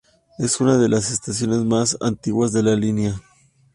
Es una de las estaciones más antiguas de la línea.